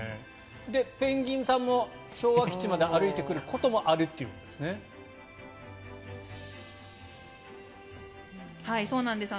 ペンギンさんも昭和基地まで歩いてくることもあるということですね。